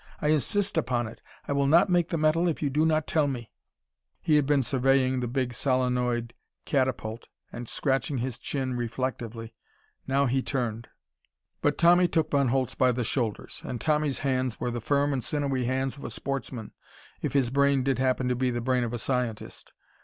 I insist upon it! I will not make the metal if you do not tell me!" Smithers was in the laboratory, of course. He had been surveying the big solenoid catapult and scratching his chin reflectively. Now he turned. But Tommy took Von Holtz by the shoulders. And Tommy's hands were the firm and sinewy hands of a sportsman, if his brain did happen to be the brain of a scientist.